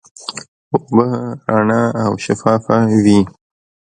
اوبه رڼا او شفافه وي.